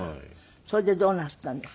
それでどうなすったんですか？